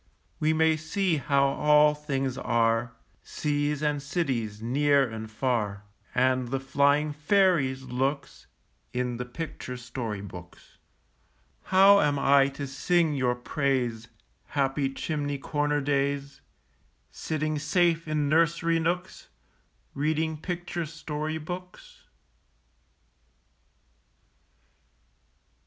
We may see how all things are, Seas and cities, near and far, And the flying fairies' looks, In the picture story books. How am I to sing your praise, Happy chimney corner days, Sitting safe in nursery nooks, Reading picture story books?